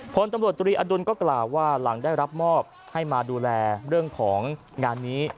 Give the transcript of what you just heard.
ผลตำรวจตรีอดุลก็กล่าวว่าหลังได้รับมอบให้มาดูแลเรื่องของงานนี้